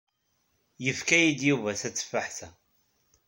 Yefka-yi-d Yuba tateffaḥt-a.